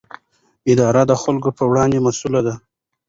اداره د خلکو پر وړاندې مسووله ده.